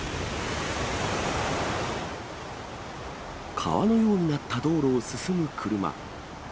川のようになった道路を進む車。